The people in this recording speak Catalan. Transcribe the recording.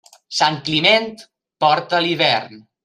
Sant Climent porta l'hivern.